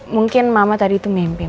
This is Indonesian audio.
mungkin mama tadi tuh mimpi ma